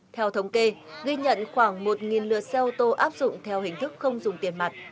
theo thống kê ghi nhận khoảng một lượt xe ô tô áp dụng theo hình thức không dùng tiền mặt